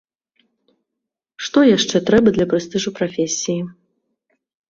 Што яшчэ трэба для прэстыжу прафесіі.